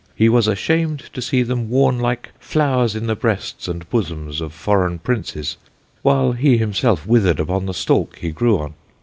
He was ashamed to see them worne like Flowers 'in the Breasts and Bosomes of forreign Princes, whilst he himself withered upon the stalk he grew on'.